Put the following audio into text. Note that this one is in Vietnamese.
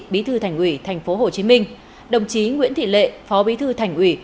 bí thư thành ủy tp hcm đồng chí nguyễn thị lệ phó bí thư thành ủy